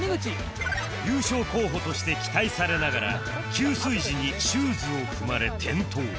優勝候補として期待されながら給水時にシューズを踏まれ転倒